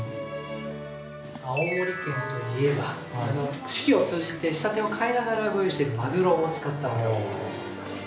◆青森県といえば、四季を通じて仕立てを変えながらご用意しているマグロを使ったお料理でございます。